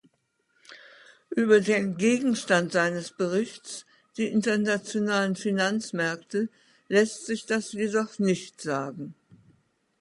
Über den Gegenstand seines Berichts, die internationalen Finanzmärkte, lässt sich das jedoch nicht sagen.